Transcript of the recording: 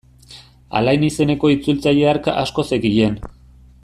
Alain izeneko itzultzaile hark asko zekien.